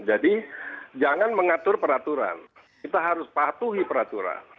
jadi jangan mengatur peraturan kita harus patuhi peraturan